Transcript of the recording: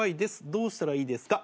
どうしたらいいですか？」